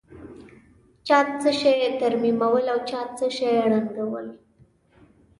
چا څه شي ترمیمول او چا څه شي ړنګول.